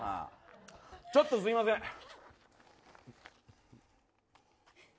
ちょっとすみません。